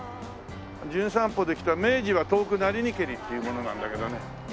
『じゅん散歩』で来た「明治は遠くなりにけり」っていう者なんだけどね。